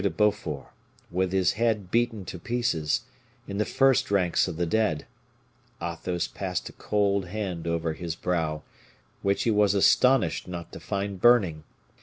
de Beaufort, with his head beaten to pieces, in the first ranks of the dead, Athos passed a cold hand over his brow, which he was astonished not to find burning.